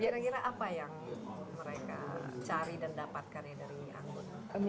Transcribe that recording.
gira gira apa yang mereka cari dan dapatkan dari anggun